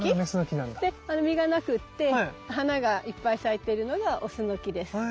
で実が無くって花がいっぱい咲いてるのがオスの木です。